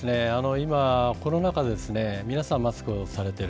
今、コロナ禍で皆さん、マスクをされている。